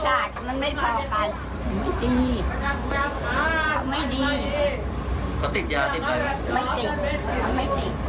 เขาส่งยาแล้วก็ไม่ได้ได้ไปหา